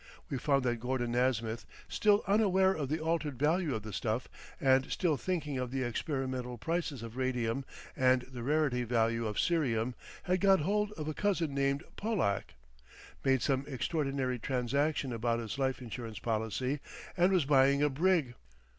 We found that Gordon Nasmyth, still unaware of the altered value of the stuff, and still thinking of the experimental prices of radium and the rarity value of cerium, had got hold of a cousin named Pollack, made some extraordinary transaction about his life insurance policy, and was buying a brig.